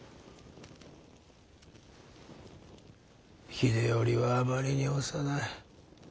秀頼はあまりに幼い。